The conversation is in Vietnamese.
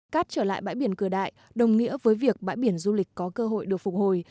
cát trở lại bãi biển cửa đại đồng nghĩa với việc bãi biển du lịch có cơ hội được phục hồi